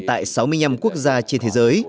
tại sáu mươi năm quốc gia trên thế giới